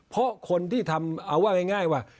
เพราะคนที่ทำเอาว่าง่ายว่า